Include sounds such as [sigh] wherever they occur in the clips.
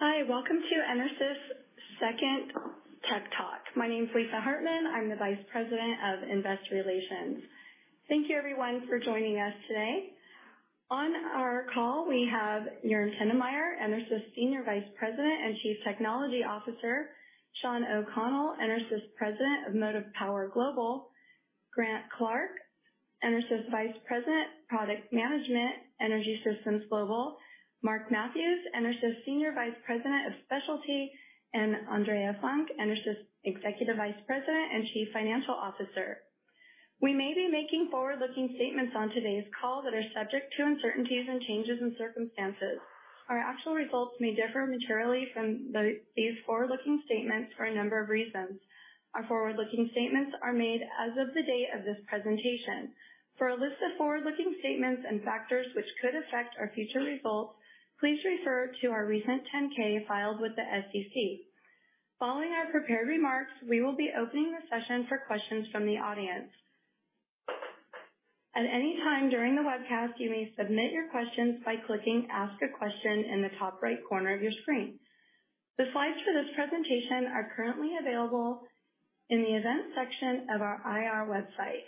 Hi, welcome to EnerSys second Tech Talk. My name's Lisa Hartman. I'm the Vice President of Investor Relations. Thank you everyone for joining us today. On our call, we have Joern Tinnemeyer, EnerSys Senior Vice President and Chief Technology Officer; Shawn O'Connell, EnerSys President of Motive Power Global; Grant Clark, EnerSys Vice President, Product Management, Energy Systems Global; Mark Matthews, EnerSys Senior Vice President of Specialty; and Andrea Funk, EnerSys Executive Vice President and Chief Financial Officer. We may be making forward-looking statements on today's call that are subject to uncertainties and changes in circumstances. Our actual results may differ materially from these forward-looking statements for a number of reasons. Our forward-looking statements are made as of the date of this presentation. For a list of forward-looking statements and factors which could affect our future results, please refer to our recent 10-K filed with the SEC. Following our prepared remarks, we will be opening the session for questions from the audience. At any time during the webcast, you may submit your questions by clicking Ask a Question in the top right corner of your screen. The slides for this presentation are currently available in the event section of our IR website.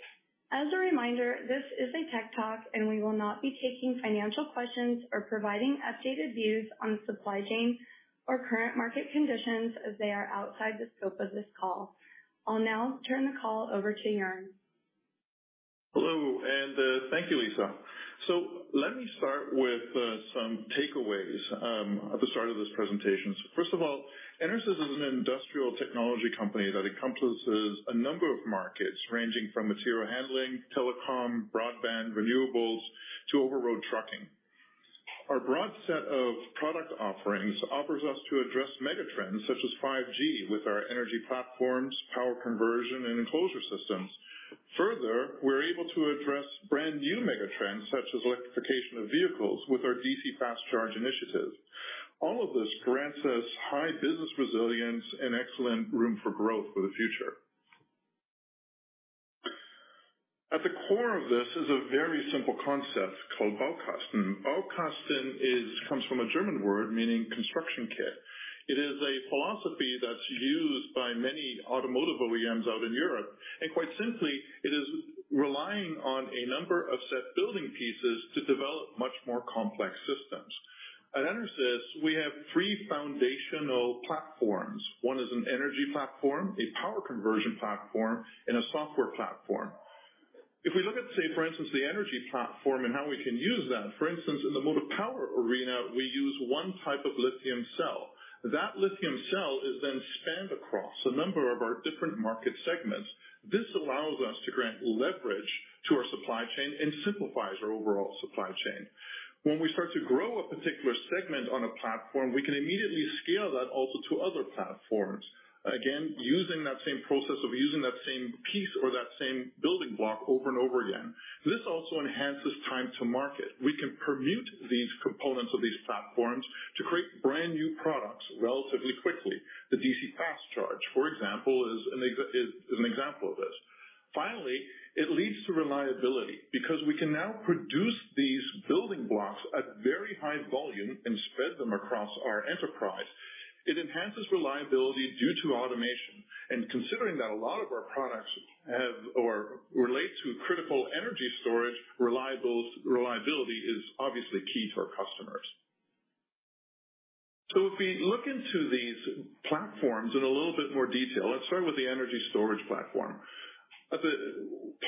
As a reminder, this is a Tech Talk, and we will not be taking financial questions or providing updated views on supply chain or current market conditions as they are outside the scope of this call. I'll now turn the call over to Joern. Hello, and, thank you, Lisa. Let me start with some takeaways at the start of this presentation. First of all, EnerSys is an industrial technology company that encompasses a number of markets ranging from material handling, telecom, broadband, renewables to over-road trucking. Our broad set of product offerings allows us to address mega trends such as 5G with our energy platforms, power conversion and enclosure systems. Further, we're able to address brand-new mega trends such as electrification of vehicles with our DC fast charge initiative. All of this grants us high business resilience and excellent room for growth for the future. At the core of this is a very simple concept called Baukasten. Baukasten comes from a German word meaning construction kit. It is a philosophy that's used by many automotive OEMs out in Europe, and quite simply, it is relying on a number of set building pieces to develop much more complex systems. At EnerSys, we have three foundational platforms. One is an energy platform, a power conversion platform, and a software platform. If we look at, say, for instance, the energy platform and how we can use that, for instance, in the Motive Power arena, we use one type of lithium cell. That lithium cell is then spanned across a number of our different market segments. This allows us to gain leverage to our supply chain and simplifies our overall supply chain. When we start to grow a particular segment on a platform, we can immediately scale that also to other platforms. Again, using that same process of using that same piece or that same building block over and over again. This also enhances time to market. We can permute these components of these platforms to create brand-new products relatively quickly. The DC fast charge, for example, is an example of this. Finally, it leads to reliability because we can now produce these building blocks at very high volume and spread them across our enterprise. It enhances reliability due to automation. Considering that a lot of our products have or relate to critical energy storage, reliability is obviously key to our customers. If we look into these platforms in a little bit more detail, let's start with the energy storage platform.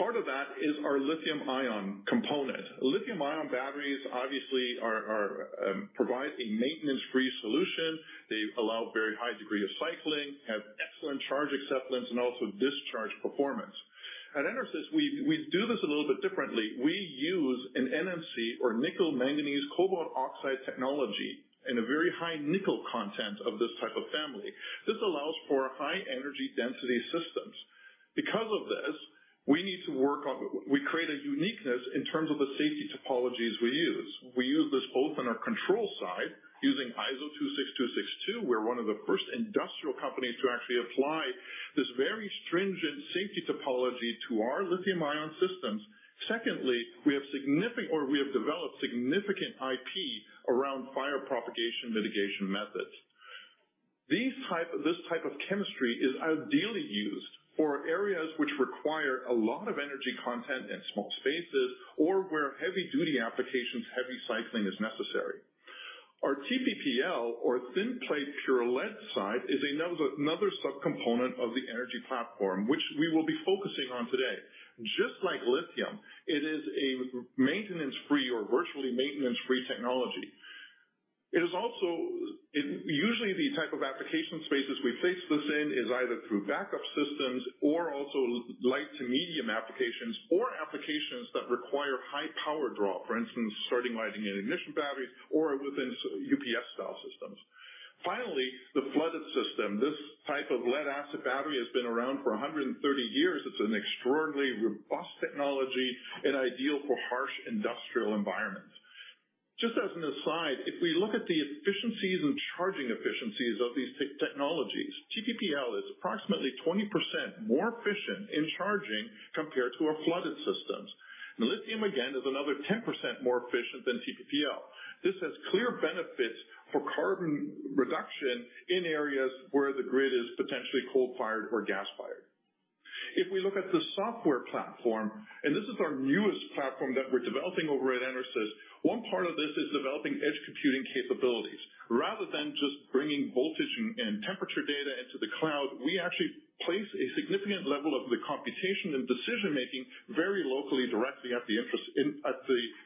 Part of that is our lithium-ion component. Lithium-ion batteries obviously provide a maintenance-free solution. They allow very high degree of cycling, have excellent charge acceptance, and also discharge performance. At EnerSys, we do this a little bit differently. We use an NMC or nickel manganese cobalt oxide technology and a very high nickel content of this type of family. This allows for high energy density systems. We create a uniqueness in terms of the safety topologies we use. We use this both on our control side using ISO 26262. We're one of the first industrial companies to actually apply this very stringent safety topology to our lithium-ion systems. Secondly, we have developed significant IP around fire propagation mitigation methods. This type of chemistry is ideally used for areas which require a lot of energy content in small spaces or where heavy-duty applications, heavy cycling is necessary. Our TPPL or Thin Plate Pure Lead side is another subcomponent of the energy platform, which we will be focusing on today. Just like lithium, it is a maintenance-free or virtually maintenance-free technology. Usually, the type of application spaces we place this in is either through backup systems or also light to medium applications or applications that require high power draw, for instance, starting, lighting, and ignition batteries or within UPS style systems. Finally, the flooded system. This type of lead-acid battery has been around for 130 years. It's an extraordinarily robust technology and ideal for harsh industrial environments. Just as an aside, if we look at the efficiencies and charging efficiencies of these technologies, TPPL is approximately 20% more efficient in charging compared to our flooded systems. Lithium, again, is another 10% more efficient than TPPL. This has clear benefits for carbon reduction in areas where the grid is potentially coal-fired or gas-fired. If we look at the software platform, and this is our newest platform that we're developing over at EnerSys, one part of this is developing edge computing capabilities. Rather than just bringing voltage and temperature data into the cloud, we actually place a significant level of the computation and decision-making very locally, directly at the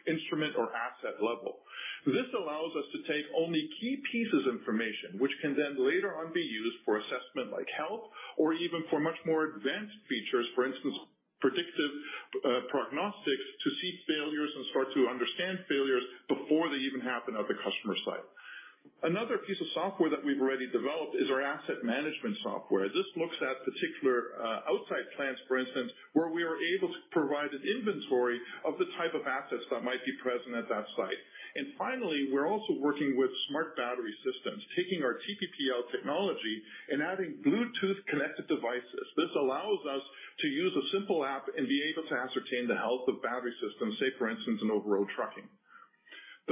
instrument or asset level. This allows us to take only key pieces of information, which can then later on be used for assessment like health or even for much more advanced features. For instance, predictive prognostics to see failures and start to understand failures before they even happen at the customer site. Another piece of software that we've already developed is our asset management software. This looks at particular outside plants, for instance, where we are able to provide an inventory of the type of assets that might be present at that site. Finally, we're also working with smart battery systems, taking our TPPL technology and adding Bluetooth connected devices. This allows us to use a simple app and be able to ascertain the health of battery systems, say, for instance, in over-road trucking.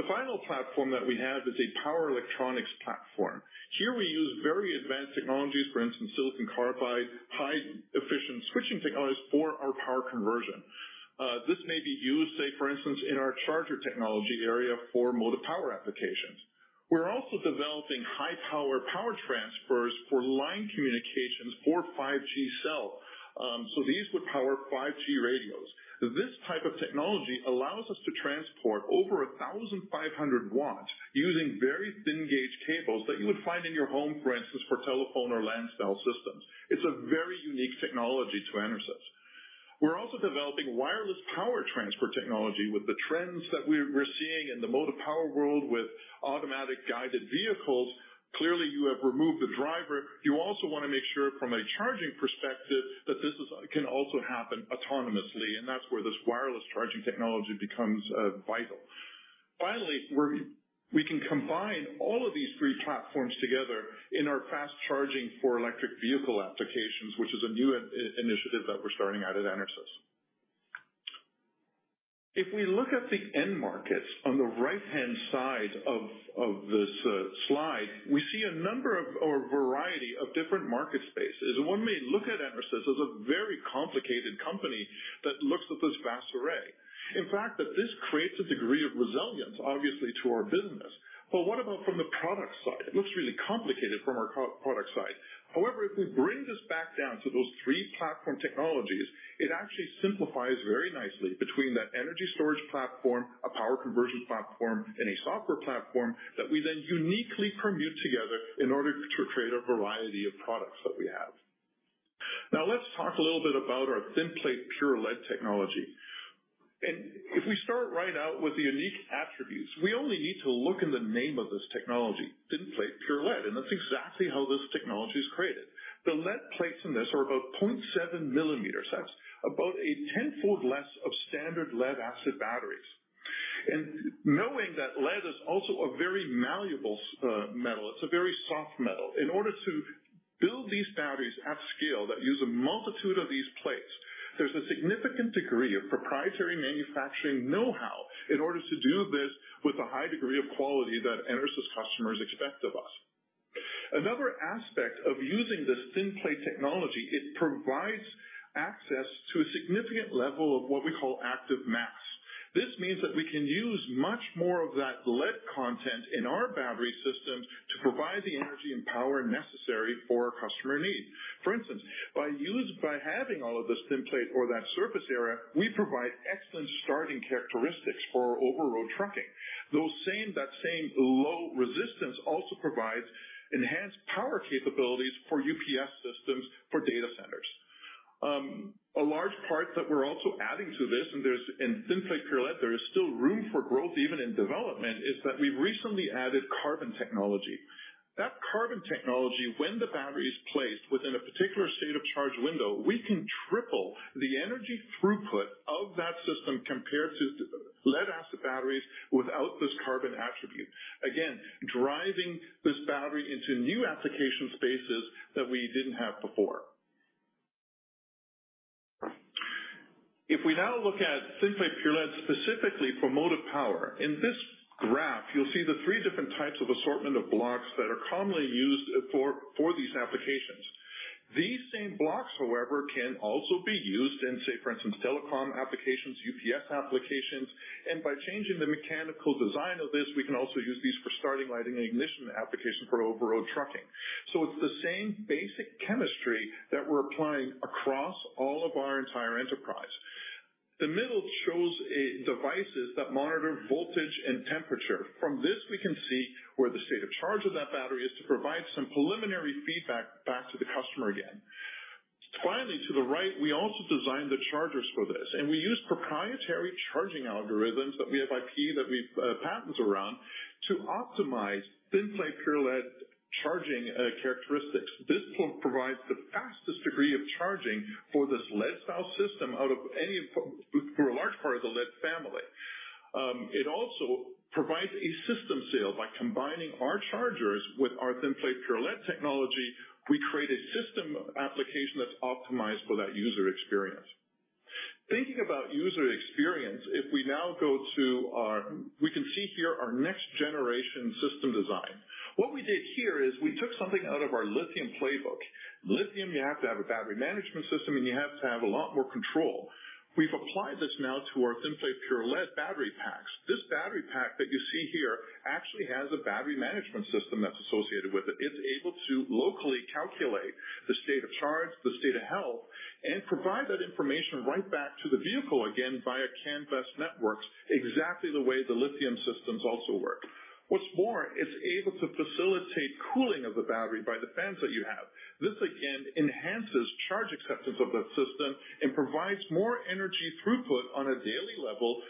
The final platform that we have is a power electronics platform. Here we use very advanced technologies, for instance, silicon carbide, highly efficient switching technologies for our power conversion. This may be used, say, for instance, in our charger technology area for motive power applications. We're also developing high power power transfers for line communications for 5G cell. So these would power 5G radios. This type of technology allows us to transport over 1,500 W using very thin gauge cables that you would find in your home, for instance, for telephone or landline systems. It's a very unique technology to EnerSys. We're also developing wireless power transfer technology. With the trends that we're seeing in the motive power world with automatic guided vehicles, clearly you have removed the driver. You also wanna make sure from a charging perspective that this can also happen autonomously, and that's where this wireless charging technology becomes vital. Finally, we can combine all of these three platforms together in our fast charging for electric vehicle applications, which is a new initiative that we're starting out at EnerSys. If we look at the end markets on the right-hand side of this slide, we see a number of or a variety of different market spaces. One may look at EnerSys as a very complicated company that looks at this vast array. In fact, that this creates a degree of resilience, obviously, to our business. What about from the product side? It looks really complicated from our product side. However, if we bring this back down to those three platform technologies, it actually simplifies very nicely between that energy storage platform, a power conversion platform, and a software platform that we then uniquely permute together in order to create a variety of products that we have. Now, let's talk a little bit about our Thin Plate Pure Lead technology. If we start right out with the unique attributes, we only need to look in the name of this technology, Thin Plate Pure Lead, and that's exactly how this technology is created. The lead plates in this are about 0.7 mm. That's about a tenfold less of standard lead-acid batteries. Knowing that lead is also a very malleable, metal, it's a very soft metal. In order to build these batteries at scale that use a multitude of these plates, there's a significant degree of proprietary manufacturing know-how in order to do this with a high degree of quality that EnerSys customers expect of us. Another aspect of using this thin plate technology. It provides access to a significant level of what we call active mass. This means that we can use much more of that lead content in our battery systems to provide the energy and power necessary for customer needs. For instance, by having all of this thin plate or that surface area, we provide excellent starting characteristics for our over-road trucking. That same low resistance also provides enhanced power capabilities for UPS systems for data centers. A large part that we're also adding to this, in Thin Plate Pure Lead, there is still room for growth even in development, is that we've recently added carbon technology. That carbon technology, when the battery is placed within a particular state of charge window, we can triple the energy throughput of that system compared to lead acid batteries without this carbon attribute. Again, driving this battery into new application spaces that we didn't have before. If we now look at Thin Plate Pure Lead specifically for Motive Power. In this graph, you'll see the three different types of assortment of blocks that are commonly used for these applications. These same blocks, however, can also be used in, say, for instance, telecom applications, UPS applications. By changing the mechanical design of this, we can also use these for starting, lighting and ignition application for over-road trucking. It's the same basic chemistry that we're applying across all of our entire enterprise. The middle shows devices that monitor voltage and temperature. From this, we can see where the state of charge of that battery is to provide some preliminary feedback back to the customer again. Finally, to the right, we also designed the chargers for this, and we use proprietary charging algorithms that we have IP, that we've patents around to optimize Thin Plate Pure Lead charging characteristics. This will provide the fastest degree of charging for this lead style system for a large part of the lead family. It also provides a system sale. By combining our chargers with our Thin Plate Pure Lead technology, we create a system application that's optimized for that user experience. Thinking about user experience, we can see here our next generation system design. What we did here is we took something out of our lithium playbook. Lithium, you have to have a battery management system, and you have to have a lot more control. We've applied this now to our Thin Plate Pure Lead battery packs. This battery pack that you see here actually has a battery management system that's associated with it. It's able to locally calculate the state of charge, the state of health, and provide that information right back to the vehicle, again, via CAN bus networks, exactly the way the lithium systems also work. What's more, it's able to facilitate cooling of the battery by the fans that you have. This, again, enhances charge acceptance of that system and provides more energy throughput on a daily level,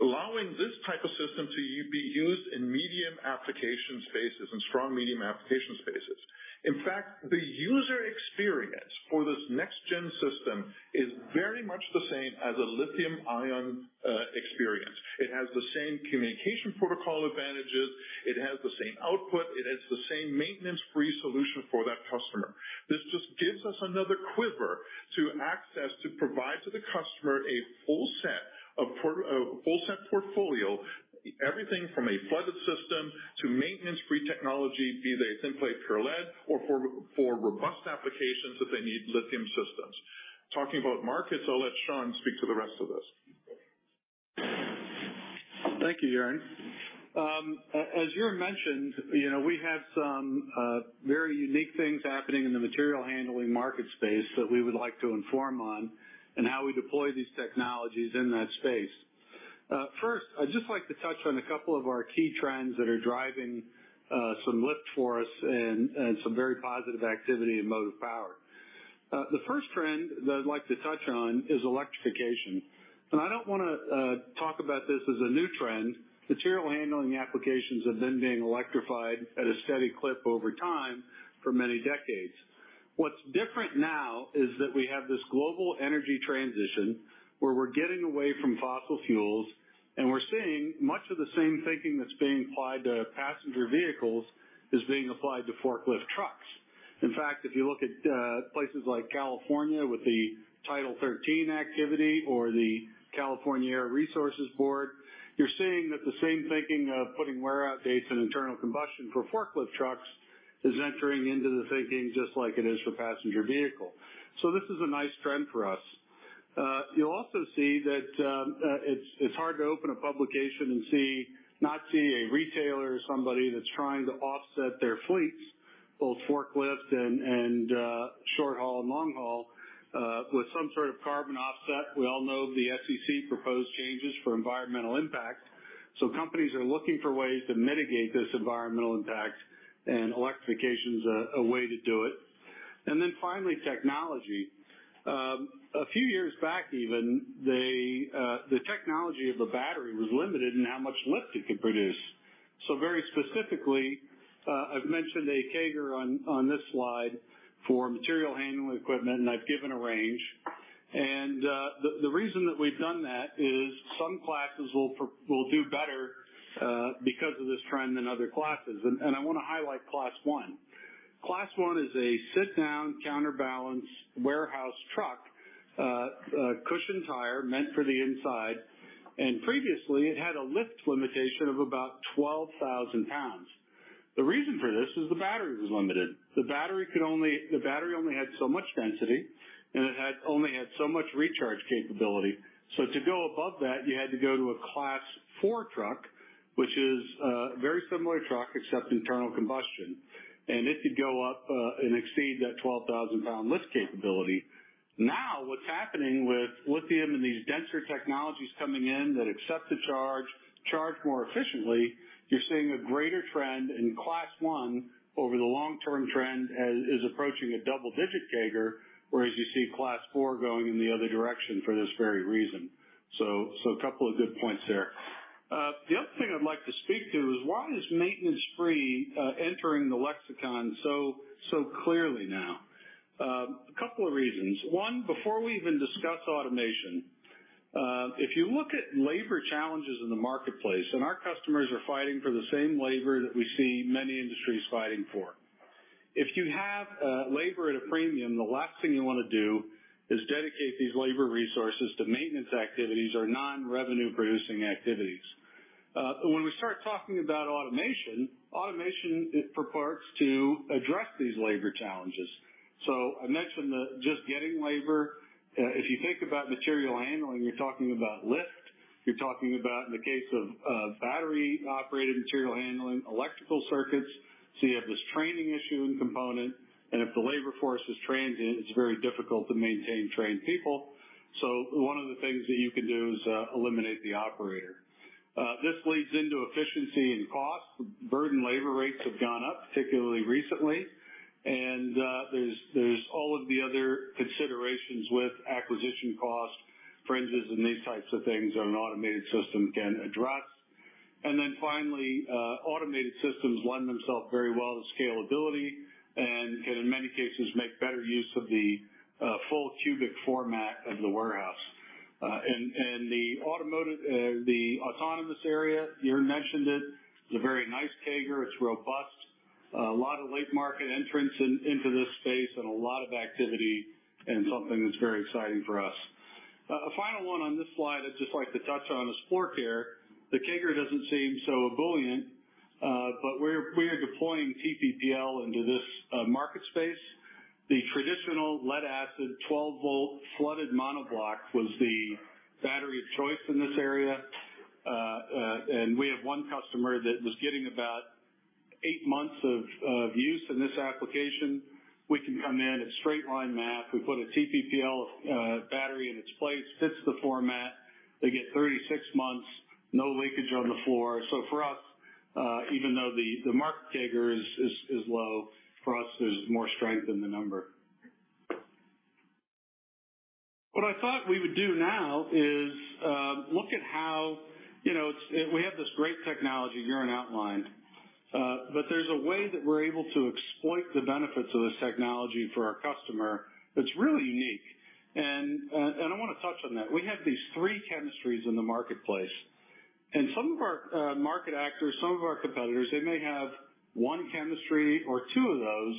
allowing this type of system to be used in medium application spaces and strong medium application spaces. In fact, the user experience for this next gen system is very much the same as a lithium ion experience. It has the same communication protocol advantages. It has the same output. It has the same maintenance-free solution for that customer. This just gives us another quiver to access to provide to the customer a full set portfolio, everything from a flooded system to maintenance-free technology, be they Thin Plate Pure Lead or for robust applications, if they need lithium systems. Talking about markets, I'll let Shawn speak to the rest of this. Thank you, Joern. As Joern mentioned, you know, we have some very unique things happening in the material handling market space that we would like to inform on and how we deploy these technologies in that space. First, I'd just like to touch on a couple of our key trends that are driving some lift for us and some very positive activity in Motive Power. The first trend that I'd like to touch on is electrification. I don't wanna talk about this as a new trend. Material handling applications have been being electrified at a steady clip over time for many decades. What's different now is that we have this global energy transition where we're getting away from fossil fuels, and we're seeing much of the same thinking that's being applied to passenger vehicles is being applied to forklift trucks. In fact, if you look at places like California with the Title 13 activity or the California Resources Board, you're seeing that the same thinking of putting wear out dates on internal combustion for forklift trucks is entering into the thinking just like it is for passenger vehicle. This is a nice trend for us. You'll also see that it's hard to open a publication and not see a retailer or somebody that's trying to offset their fleets, both forklift and short haul and long haul, with some sort of carbon offset. We all know the SEC proposed changes for environmental impact, so companies are looking for ways to mitigate this environmental impact, and electrification is a way to do it. Finally, technology. A few years back even, the technology of the battery was limited in how much lift it could produce. Very specifically, I've mentioned a CAGR on this slide for material handling equipment, and I've given a range. The reason that we've done that is some classes will do better because of this trend than other classes. I wanna highlight Class 1. Class 1 is a sit-down counterbalance warehouse truck, a cushioned tire meant for the inside, and previously it had a lift limitation of about 12,000 lbs. The reason for this is the battery was limited. The battery only had so much density, and only had so much recharge capability. To go above that, you had to go to a class four truck, which is a very similar truck except internal combustion. It could go up, and exceed that 12,000-lbs lift capability. Now, what's happening with lithium and these denser technologies coming in that accept the charge more efficiently, you're seeing a greater trend in class one over the long-term trend as is approaching a double-digit CAGR, whereas you see class four going in the other direction for this very reason. A couple of good points there. The other thing I'd like to speak to is why is maintenance-free entering the lexicon so clearly now? A couple of reasons. One. Before we even discuss automation, if you look at labor challenges in the marketplace, and our customers are fighting for the same labor that we see many industries fighting for. If you have labor at a premium, the last thing you wanna do is dedicate these labor resources to maintenance activities or non-revenue producing activities. When we start talking about automation, it purports to address these labor challenges. I mentioned that just getting labor, if you think about material handling, you're talking about lift. You're talking about in the case of battery-operated material handling, electrical circuits. You have this training issue and component, and if the labor force is trained, it is very difficult to maintain trained people. One of the things that you can do is eliminate the operator. This leads into efficiency and cost. Burden labor rates have gone up, particularly recently. There's all of the other considerations with acquisition cost, fringes and these types of things that an automated system can address. Finally, automated systems lend themselves very well to scalability and in many cases, make better use of the full cubic format of the warehouse. The autonomous area, Joern mentioned it. It's a very nice CAGR, it's robust. A lot of late market entrants into this space and a lot of activity and something that's very exciting for us. A final one on this slide I'd just like to touch on is floor care. The CAGR doesn't seem so ebullient, but we are deploying TPPL into this market space. The traditional lead-acid 12-volt flooded monoblock was the battery of choice in this area. We have one customer that was getting about eight months of use in this application. We can come in, it's straight line math. We put a TPPL battery in its place, fits the format. They get 36 months, no leakage on the floor. For us, even though the market CAGR is low, for us, there's more strength in the number. What I thought we would do now is look at how, you know, we have this great technology Joern outlined, but there's a way that we're able to exploit the benefits of this technology for our customer that's really unique. I wanna touch on that. We have these three chemistries in the marketplace, and some of our market actors, some of our competitors, they may have one chemistry or two of those,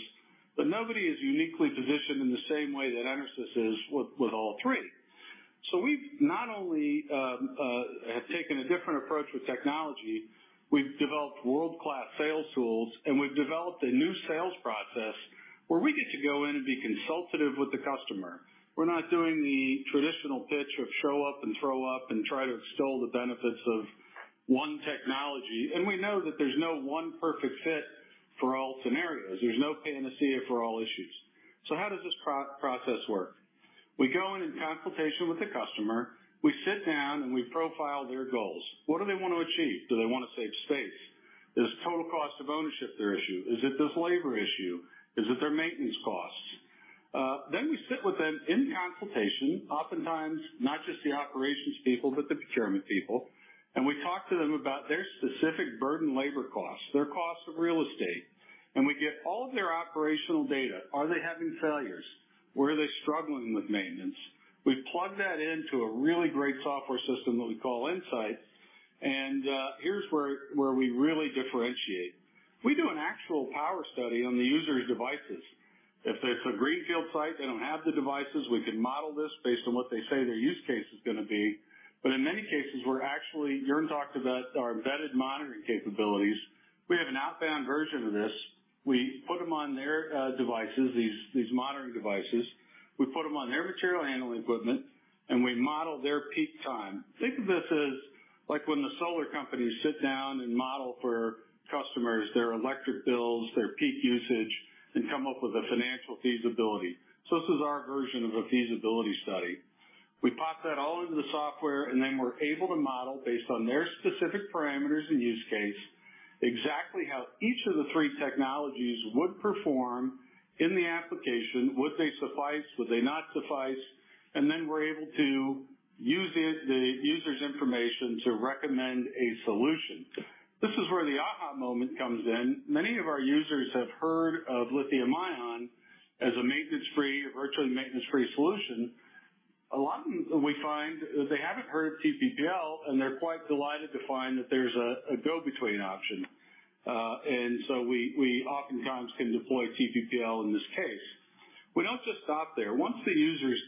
but nobody is uniquely positioned in the same way that EnerSys is with all three. We've not only have taken a different approach with technology, we've developed world-class sales tools, and we've developed a new sales process where we get to go in and be consultative with the customer. We're not doing the traditional pitch of show up and throw up and try to extol the benefits of one technology. We know that there's no one perfect fit for all scenarios. There's no panacea for all issues. How does this process work? We go in consultation with the customer. We sit down, and we profile their goals. What do they wanna achieve? Do they wanna save space? Is total cost of ownership their issue? Is it this labor issue? Is it their maintenance costs? Then we sit with them in consultation, oftentimes not just the operations people, but the procurement people, and we talk to them about their specific burdened labor costs, their costs of real estate, and we get all of their operational data. Are they having failures? Where are they struggling with maintenance? We plug that into a really great software system that we call Insight, and here's where we really differentiate. We do an actual power study on the user's devices. If it's a greenfield site, they don't have the devices, we can model this based on what they say their use case is gonna be. In many cases, we're actually. Joern talked about our embedded monitoring capabilities. We have an outbound version of this. We put them on their devices, these monitoring devices. We put them on their material handling equipment, and we model their peak time. Think of this as like when the solar companies sit down and model for customers, their electric bills, their peak usage, and come up with a financial feasibility. This is our version of a feasibility study. We pop that all into the software, and then we're able to model based on their specific parameters and use case, exactly how each of the three technologies would perform in the application. Would they suffice? Would they not suffice? Then we're able to use the user's information to recommend a solution. This is where the aha moment comes in. Many of our users have heard of lithium-ion as a maintenance-free, virtually maintenance-free solution. A lot of them, we find they haven't heard of TPPL, and they're quite delighted to find that there's a go-between option. We oftentimes can deploy TPPL in this case. We don't just stop there. Once the user's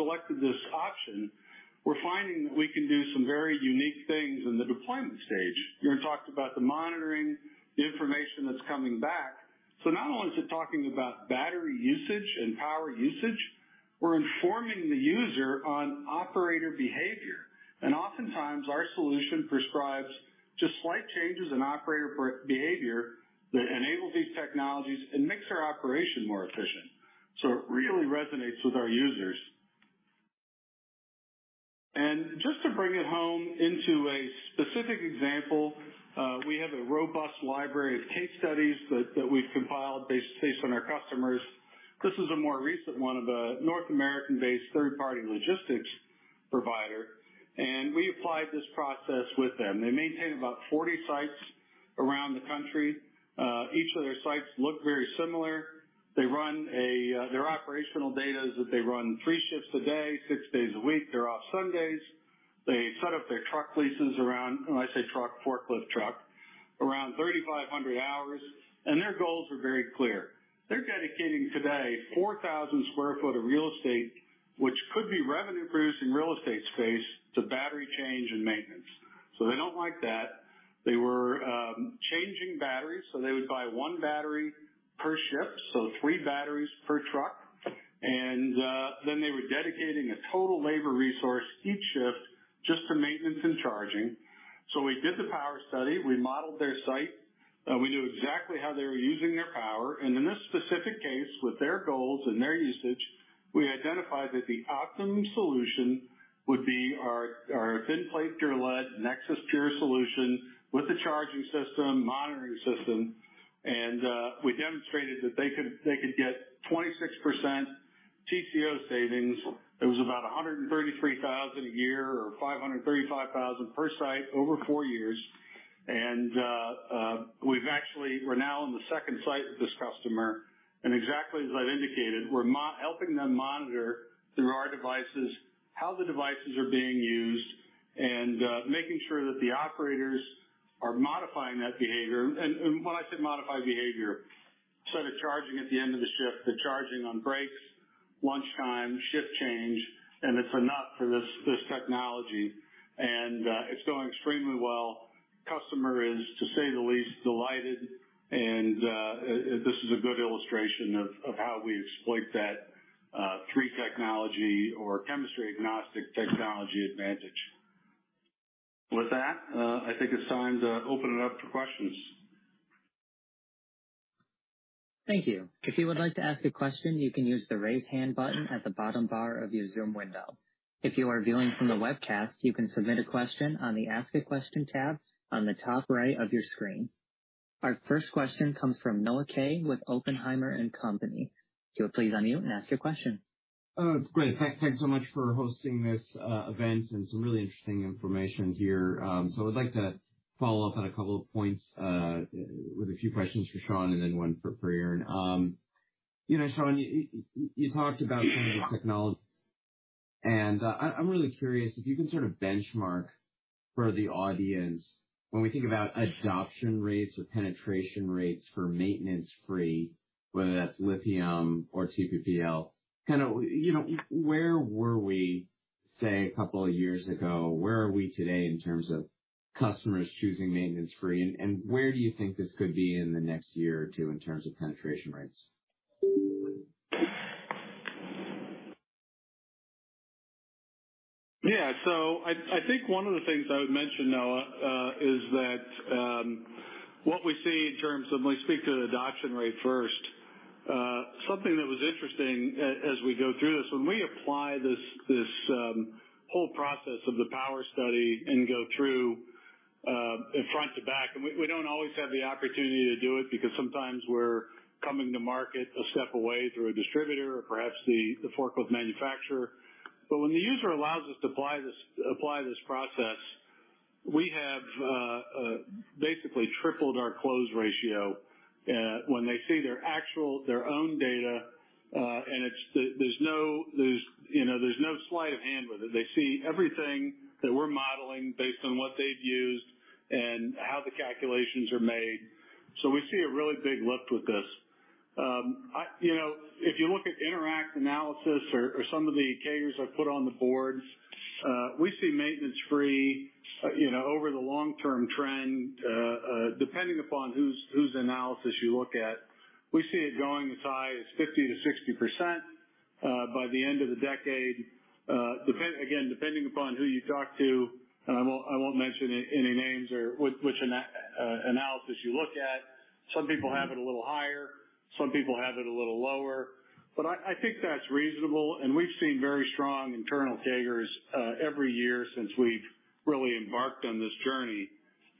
selected this option, we're finding that we can do some very unique things in the deployment stage. Joern talked about the monitoring, the information that's coming back. Not only is it talking about battery usage and power usage, we're informing the user on operator behavior. Oftentimes, our solution prescribes just slight changes in operator behavior that enable these technologies and makes their operation more efficient. It really resonates with our users. Just to bring it home into a specific example, we have a robust library of case studies that we've compiled based on our customers. This is a more recent one of a North American-based third-party logistics provider, and we applied this process with them. They maintain about 40 sites around the country. Each of their sites look very similar. Their operational data is that they run three shifts a day, six days a week. They're off Sundays. They set up their truck leases around, when I say truck, forklift truck, around 3,500 hours, and their goals were very clear. They're dedicating to date 4,000 sq ft of real estate, which could be revenue-producing real estate space, to battery change and maintenance. They don't like that. They were changing batteries, so they would buy one battery per shift, so three batteries per truck. They were dedicating a total labor resource each shift just for maintenance and charging. We did the power study, we modeled their site, we knew exactly how they were using their power, and in this specific case, with their goals and their usage, we identified that the optimum solution would be our Thin Plate Pure Lead NexSys PURE solution with the charging system, monitoring system. We demonstrated that they could get 26% TCO savings, it was about $133,000 a year or $535,000 per site over four years. We've actually. We're now on the second site with this customer, and exactly as I've indicated, we're helping them monitor through our devices, how the devices are being used and making sure that the operators are modifying that behavior. When I say modify behavior, instead of charging at the end of the shift, they're charging on breaks, lunchtime, shift change, and it's enough for this technology. It's going extremely well. The customer is, to say the least, delighted. This is a good illustration of how we exploit that three technology or chemistry agnostic technology advantage. With that, I think it's time to open it up to questions. Thank you. If you would like to ask a question, you can use the Raise Hand button at the bottom bar of your Zoom window. If you are viewing from the webcast, you can submit a question on the Ask a Question tab on the top right of your screen. Our first question comes from Noah Kaye with Oppenheimer & Company. If you would please unmute and ask your question. Great. Thanks so much for hosting this event and some really interesting information here. I'd like to follow up on a couple of points with a few questions for Shawn and then one for Joern. You know, Shawn, you talked about kind of the technology, and I'm really curious if you can sort of benchmark for the audience when we think about adoption rates or penetration rates for maintenance-free, whether that's lithium or TPPL, kind of, you know, where were we, say, a couple of years ago? Where are we today in terms of customers choosing maintenance-free? Where do you think this could be in the next year or two in terms of penetration rates? Yeah. I think one of the things I would mention, Noah, is that what we see in terms of when we speak to the adoption rate first, something that was interesting as we go through this, when we apply this whole process of the power study and go through front to back, and we don't always have the opportunity to do it because sometimes we're coming to market a step away through a distributor or perhaps the forklift manufacturer. When the user allows us to apply this process, we have basically tripled our close ratio when they see their actual, their own data, and there's no, you know, sleight of hand with it. They see everything that we're modeling based on what they've used and how the calculations are made. We see a really big lift with this. You know, if you look at Interact Analysis or some of the CAGRs I've put on the boards, we see maintenance-free, you know, over the long-term trend, depending upon whose analysis you look at, we see it going as high as 50%-60%, depending upon who you talk to, and I won't mention any names or which analysis you look at. Some people have it a little higher, some people have it a little lower. I think that's reasonable. We've seen very strong internal CAGRs every year since we've really embarked on this journey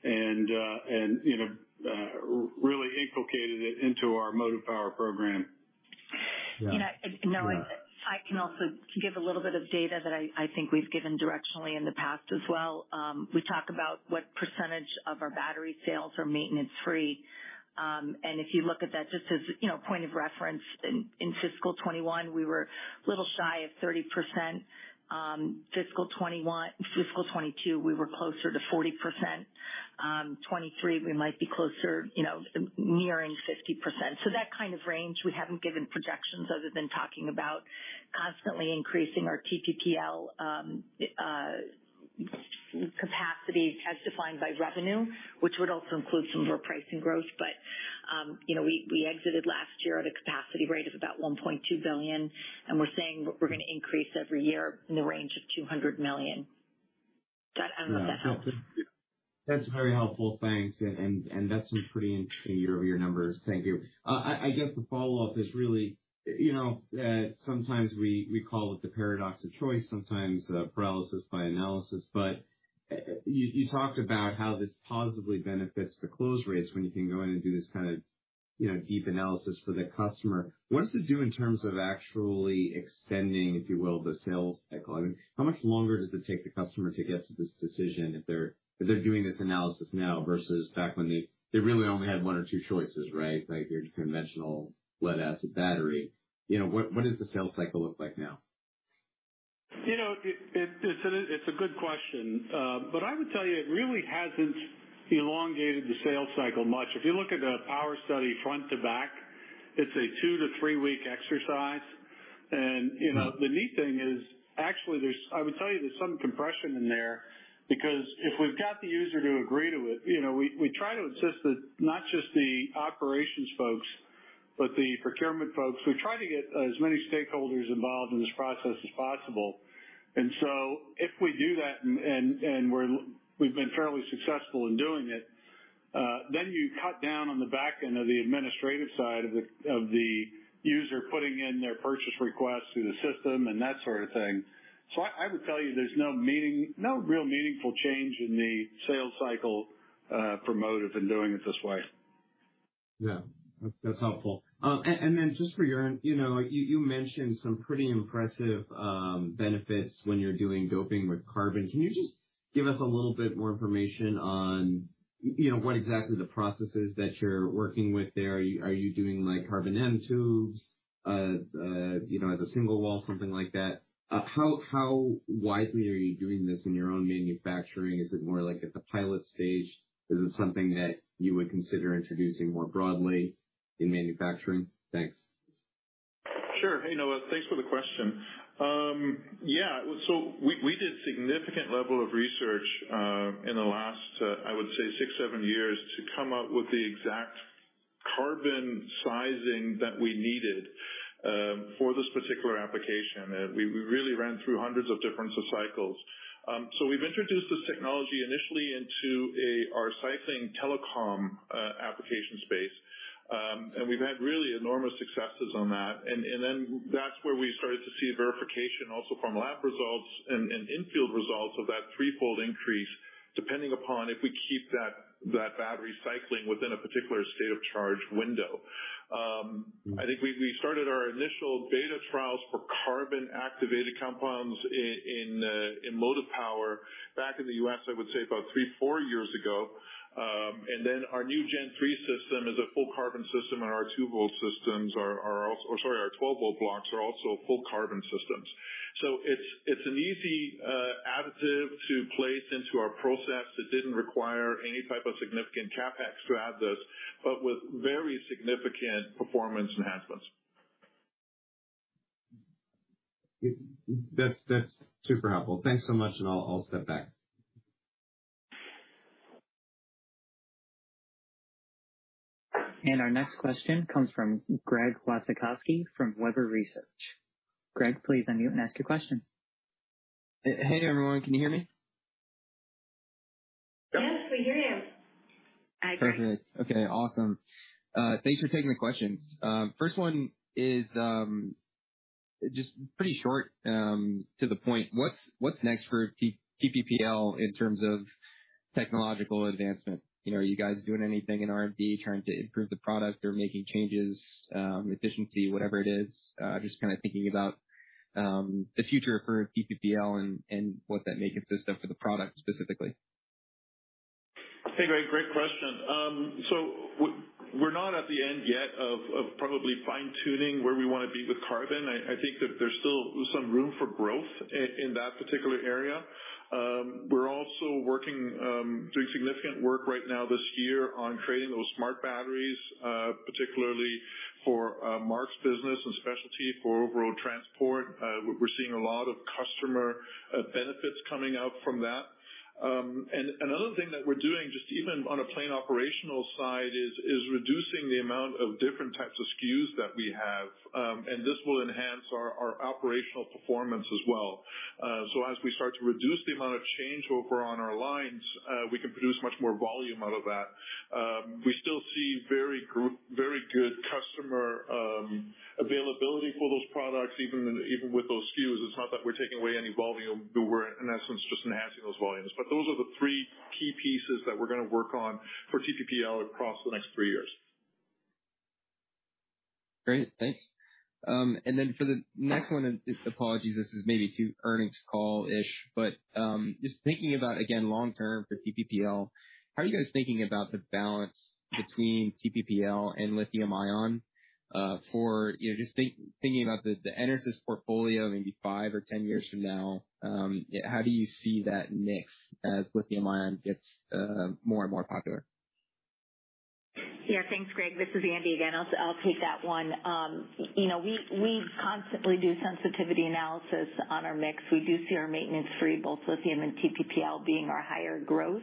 and, you know, really inculcated it into our Motive Power program. Yeah. You know, Noah, I can also give a little bit of data that I think we've given directionally in the past as well. We talk about what percentage of our battery sales are maintenance free. If you look at that just as, you know, point of reference, in fiscal 2021, we were a little shy of 30%. Fiscal 2022, we were closer to 40%. 2023, we might be closer, you know, nearing 50%. That kind of range. We haven't given projections other than talking about constantly increasing our TPPL capacity as defined by revenue, which would also include some of our pricing growth. You know, we exited last year at a capacity rate of about $1.2 billion, and we're saying we're going to increase every year in the range of $200 million. I don't know if that helps. That's very helpful. Thanks. That's some pretty interesting year-over-year numbers. Thank you. I guess the follow-up is really, you know, sometimes we call it the paradox of choice, sometimes, paralysis by analysis. You talked about how this positively benefits the close rates when you can go in and do this kind of, you know, deep analysis for the customer. What does it do in terms of actually extending, if you will, the sales cycle? I mean, how much longer does it take the customer to get to this decision if they're doing this analysis now versus back when they really only had one or two choices, right? Like, your conventional lead-acid battery. You know, what does the sales cycle look like now? You know, it's a good question. I would tell you it really hasn't elongated the sales cycle much. If you look at a power study front to back, it's a two-week to three-week exercise. You know, the neat thing is actually there's I would tell you there's some compression in there because if we've got the user to agree to it, you know, we try to insist that not just the operations folks, but the procurement folks, we try to get as many stakeholders involved in this process as possible. If we do that, we've been fairly successful in doing it, then you cut down on the back end of the administrative side of the user putting in their purchase request through the system and that sort of thing. I would tell you there's no real meaningful change in the sales cycle for Motive in doing it this way. Yeah, that's helpful. Just for your own, you know, you mentioned some pretty impressive benefits when you're doing doping with carbon. Can you just give us a little bit more information on, you know, what exactly the process is that you're working with there. Are you doing like carbon nanotubes? You know, as a single wall, something like that. How widely are you doing this in your own manufacturing? Is it more like at the pilot stage? Is it something that you would consider introducing more broadly in manufacturing? Thanks. Sure. Hey, Noah, thanks for the question. Yeah. We did significant level of research in the last six to seven years to come up with the exact carbon sizing that we needed for this particular application. We really ran through hundreds of different cycles. We've introduced this technology initially into our cycling telecom application space. We've had really enormous successes on that. That's where we started to see verification also from lab results and infield results of that threefold increase, depending upon if we keep that battery cycling within a particular state of charge window. I think we started our initial beta trials for carbon activated compounds in Motive Power back in the U.S. about three to four years ago. Our new Gen 3 system is a full carbon system, and our 12-volt blocks are also full carbon systems. It's an easy additive to place into our process. It didn't require any type of significant CapEx to add this, but with very significant performance enhancements. That's super helpful. Thanks so much. I'll step back. Our next question comes from Greg Wasikowski from Webber Research. Greg, please unmute and ask your question. Hey everyone, can you hear me? Yes, we hear you. Perfect. Okay, awesome. Thanks for taking the questions. First one is just pretty short, to the point. What's next for TPPL in terms of technological advancement? You know, are you guys doing anything in R&D trying to improve the product or making changes, efficiency, whatever it is? Just kinda thinking about the future for TPPL and what that may consist of for the product specifically. Hey, Greg, great question. We're not at the end yet of probably fine-tuning where we wanna be with carbon. I think that there's still some room for growth in that particular area. We're also working, doing significant work right now this year on creating those smart batteries, particularly for Mark's business in Specialty for over-road transport. We're seeing a lot of customer benefits coming out from that. Another thing that we're doing, just even on a plain operational side, is reducing the amount of different types of SKUs that we have, and this will enhance our operational performance as well. As we start to reduce the amount of changeover on our lines, we can produce much more volume out of that. We still see very good customer availability for those products, even with those SKUs. It's not that we're taking away any volume. We're in essence just enhancing those volumes. Those are the three key pieces that we're gonna work on for TPPL across the next three years. Great. Thanks. Then for the next one, and apologies, this is maybe too earnings call-ish. Just thinking about, again, long term for TPPL, how are you guys thinking about the balance between TPPL and lithium ion, for, you know, just thinking about the EnerSys portfolio, maybe five or 10 years from now, how do you see that mix as lithium ion gets, more and more popular? Yeah, thanks, Greg. This is Andi again. I'll take that one. You know, we constantly do sensitivity analysis on our mix. We do see our maintenance-free, both lithium and TPPL being our higher growth.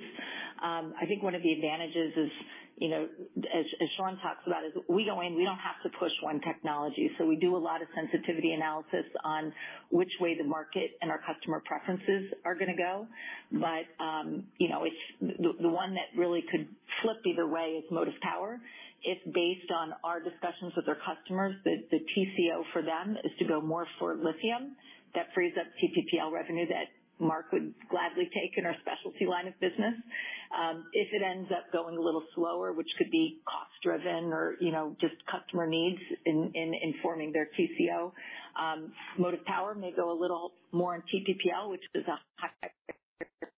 I think one of the advantages is, you know, as Shawn talks about. We go in. We don't have to push one technology. We do a lot of sensitivity analysis on which way the market and our customer preferences are gonna go. You know, it's the one that really could flip either way is Motive Power. If based on our discussions with their customers, the TCO for them is to go more for lithium. That frees up TPPL revenue that Mark would gladly take in our Specialty line of business. If it ends up going a little slower, which could be cost driven or, you know, just customer needs in informing their TCO, Motive Power may go a little more in TPPL, which is a high. [audio distortion]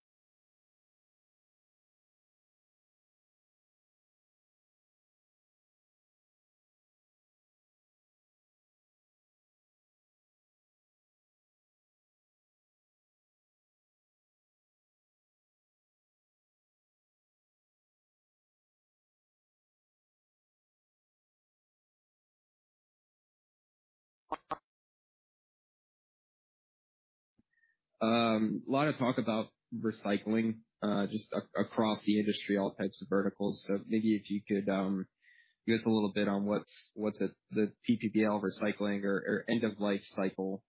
A lot of talk about recycling, just across the industry, all types of verticals. Maybe if you could give us a little bit on what's the TPPL recycling or end of life cycle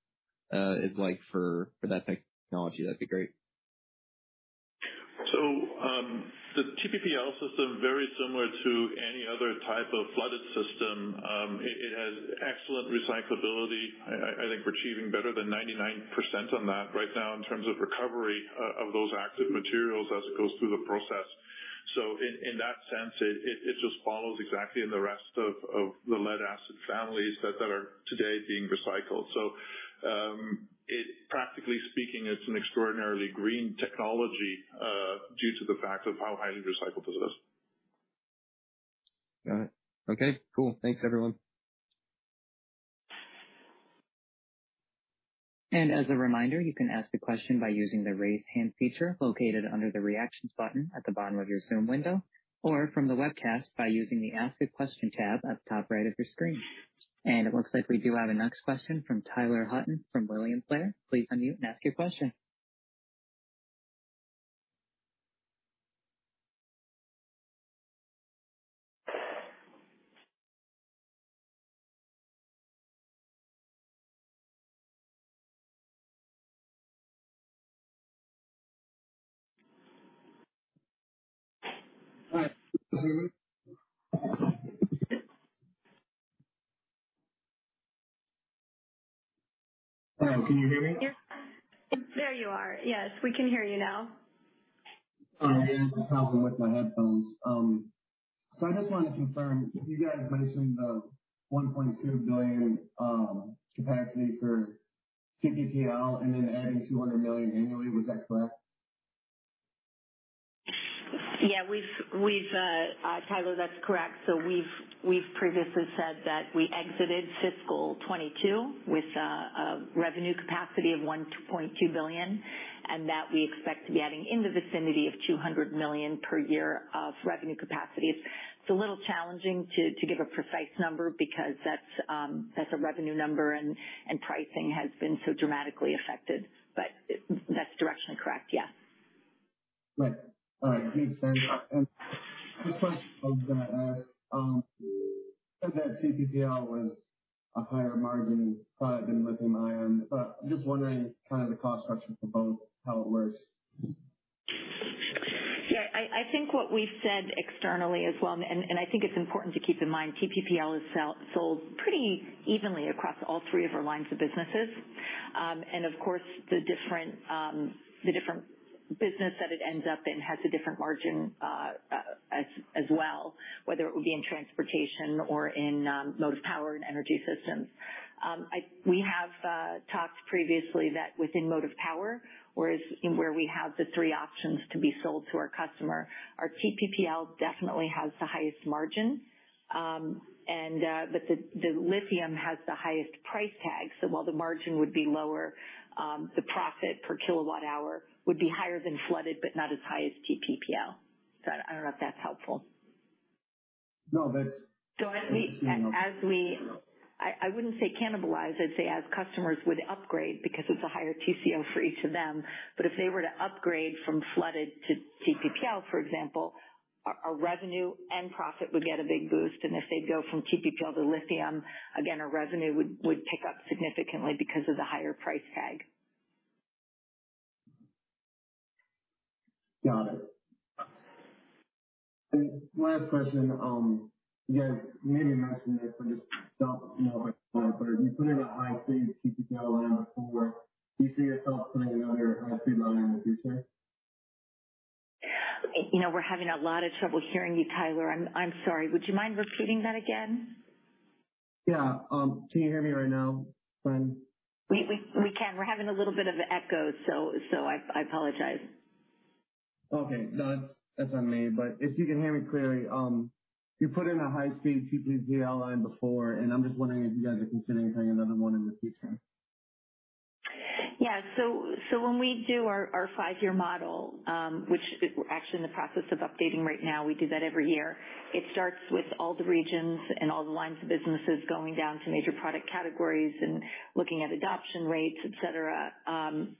is like for that technology, that'd be great. The TPPL system is very similar to any other type of flooded system. It has excellent recyclability. I think we're achieving better than 99% on that right now in terms of recovery of those active materials as it goes through the process. In that sense, it just follows exactly in the rest of the lead-acid families that are today being recycled. It practically speaking is an extraordinarily green technology due to the fact of how highly recyclable it is. Got it. Okay, cool. Thanks, everyone. As a reminder, you can ask a question by using the Raise Hand feature located under the Reactions button at the bottom of your Zoom window, or from the webcast by using the Ask a Question tab at the top right of your screen. It looks like we do have a next question from Tyler Hutin from William Blair. Please unmute and ask your question. Hi, can you hear me? There you are. Yes, we can hear you now. All right. Yeah, there was a problem with my headphones. I just wanted to confirm, you guys mentioned the $1.2 billion capacity for TPPL and then adding $200 million annually. Was that correct? Yeah, Tyler, that's correct. We've previously said that we exited fiscal 2022 with a revenue capacity of $1.2 billion, and that we expect to be adding in the vicinity of $200 million per year of revenue capacity. It's a little challenging to give a precise number because that's a revenue number and pricing has been so dramatically affected. That's directionally correct, yeah. Right. All right. Makes sense. Just a question I was gonna ask. You said TPPL was a higher margin product than lithium-ion, but just wondering kind of the cost structure for both, how it works? Yeah. I think what we said externally as well, and I think it's important to keep in mind, TPPL is sold pretty evenly across all three of our lines of businesses. Of course, the different business that it ends up in has a different margin as well, whether it would be in transportation or in Motive Power and Energy Systems. We have talked previously that within Motive Power, where we have the three options to be sold to our customer. Our TPPL definitely has the highest margin. The lithium has the highest price tag. While the margin would be lower, the profit per kilowatt hour would be higher than flooded, but not as high as TPPL. I don't know if that's helpful. No, that's- I wouldn't say cannibalize. I'd say as customers would upgrade because it's a higher TCO for each of them. If they were to upgrade from flooded to TPPL, for example, our revenue and profit would get a big boost. If they go from TPPL to lithium, again, our revenue would pick up significantly because of the higher price tag. Got it. Last question, you guys maybe mentioned this, I just don't know you put in a high-speed TPPL line before. Do you see yourself putting another high-speed line in the future? You know, we're having a lot of trouble hearing you, Tyler. I'm sorry. Would you mind repeating that again? Yeah. Can you hear me right now? We can. We're having a little bit of an echo, so I apologize. Okay. No, that's on me. If you can hear me clearly, you put in a high-speed TPPL line before, and I'm just wondering if you guys are considering putting another one in the future. Yeah. When we do our five-year model, which we're actually in the process of updating right now. We do that every year. It starts with all the regions and all the lines of businesses going down to major product categories and looking at adoption rates, et cetera.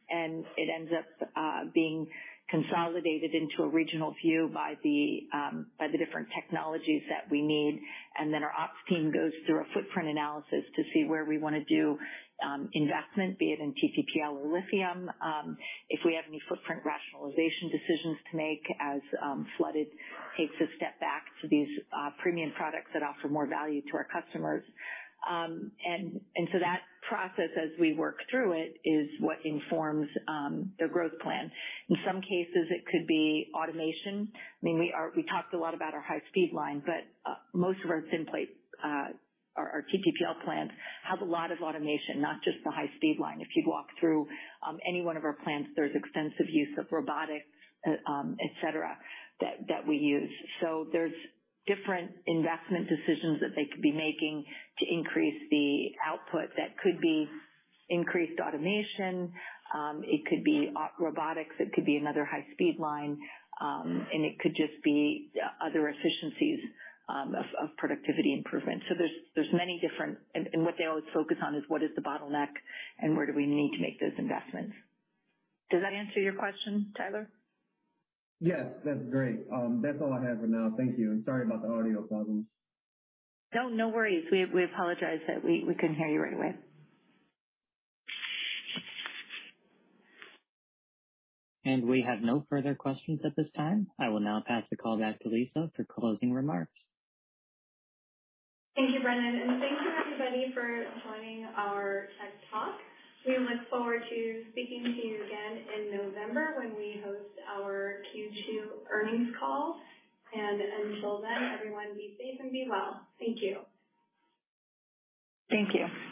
It ends up being consolidated into a regional view by the different technologies that we need. Our ops team goes through a footprint analysis to see where we wanna do investment, be it in TPPL or lithium. If we have any footprint rationalization decisions to make as flooded takes a step back to these premium products that offer more value to our customers. That process as we work through it is what informs the growth plan. In some cases, it could be automation. I mean, we talked a lot about our high-speed line, but most of our thin plate... Our TPPL plants have a lot of automation, not just the high-speed line. If you walk through any one of our plants, there's extensive use of robotics et cetera that we use. There's different investment decisions that they could be making to increase the output. That could be increased automation, it could be robotics, it could be another high-speed line, and it could just be other efficiencies of productivity improvement. What they always focus on is what is the bottleneck and where do we need to make those investments. Does that answer your question, Tyler? Yes. That's great. That's all I have for now. Thank you, and sorry about the audio problems. No, no worries. We apologize that we couldn't hear you right away. We have no further questions at this time. I will now pass the call back to Lisa for closing remarks. Thank you, Brendan. Thank you, everybody, for joining our Tech Talk. We look forward to speaking to you again in November when we host our Q2 earnings call. Until then, everyone, be safe and be well. Thank you. Thank you.